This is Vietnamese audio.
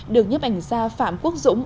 được nhấp ảnh gia phạm quốc dũng